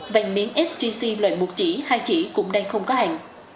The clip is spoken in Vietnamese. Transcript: vàng miếng sgc loại một chỉ hai chỉ cũng đang không có hàng